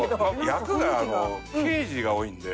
役が刑事が多いんで。